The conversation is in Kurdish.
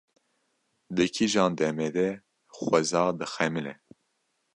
Di kîjan demê de xweza dixemile?